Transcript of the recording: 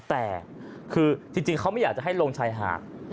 แต่คือจริงเขาไม่อยากจะให้ลงชายหาด